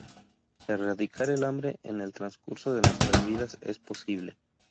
Erradicar el hambre en el transcurso de nuestras vidas es posible.